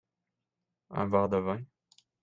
un verre de vin.